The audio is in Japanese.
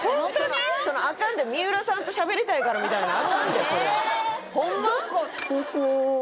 アカンで三浦さんとしゃべりたいからみたいなアカンでそれホンマ？